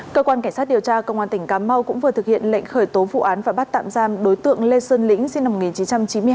cơ quan cảnh sát điều tra công an tỉnh cà mau cũng vừa thực hiện lệnh khởi tố vụ án và bắt tạm giam đối tượng lê sơn lĩnh sinh năm một nghìn chín trăm chín mươi hai